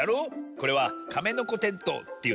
これはカメノコテントウっていうのさ。